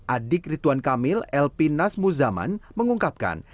adik rituan kamil elpin nas muzaman mengungkapkan